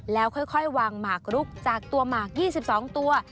แล้วค่อยวางหมากรุกจากตัวหมาก๒๒ตัว